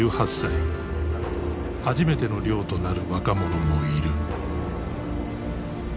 初めての漁となる若者もいる。